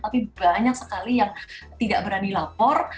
tapi banyak sekali yang tidak berani lapor